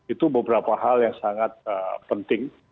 itu beberapa hal yang sangat penting